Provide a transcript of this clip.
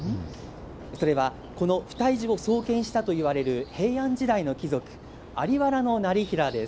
それは、この不退寺を創建したといわれる、平安時代の貴族、在原業平です。